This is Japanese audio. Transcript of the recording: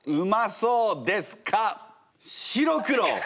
白黒。